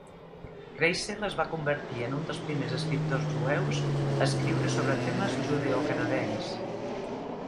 Kreisel es va convertir en un dels primers escriptors jueus a escriure sobre temes judeocanadencs.